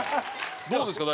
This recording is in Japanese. どうですか？